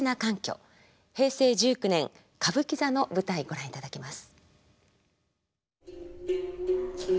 平成１９年歌舞伎座の舞台ご覧いただきます。